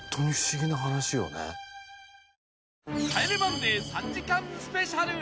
帰れマンデー』３時間スペシャル